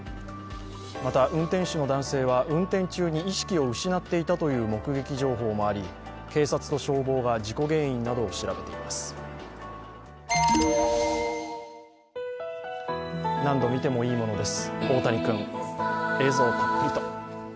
また運転手の男性は運転中に意識を失っていたという目撃情報もあり、警察と消防が事故原因などを調べています。